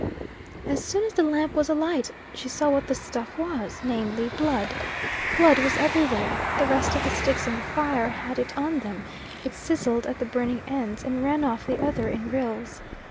As soon as the lamp was alight she saw what the stuff was, namely, blood. Blood was everywhere, the rest of the sticks in the fire had it on them, it sizzled at the burning ends, and ran off the other in rills.